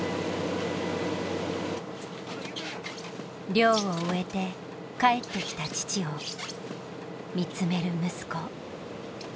漁を終えて帰ってきた父を見つめる息子。